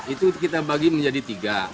itu kita bagi menjadi tiga